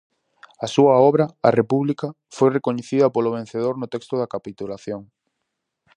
A súa obra, a república, foi recoñecida polo vencedor no texto da capitulación.